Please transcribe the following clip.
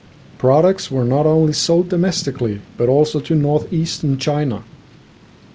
Products were not only sold domestically, but also to northeastern China.